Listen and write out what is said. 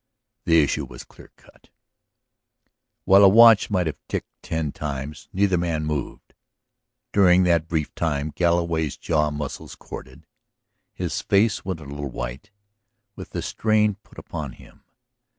The issue was clear cut. While a watch might have ticked ten times neither man moved. During that brief time Galloway's jaw muscles corded, his face went a little white with the strain put upon him.